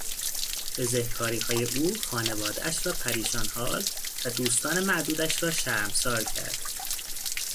بزهکاریهای او خانوادهاش را پریشان حال و دوستان معدودش را شرمسار کرد.